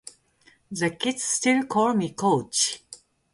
The kids still call me coach.